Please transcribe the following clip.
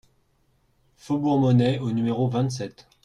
Faubourg Monneix au numéro vingt-sept